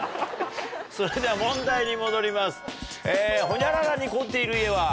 それでは問題に戻ります。